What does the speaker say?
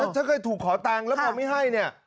ถ้าเคยถูกขอตังค์แล้วพอไม่ให้เนี่ย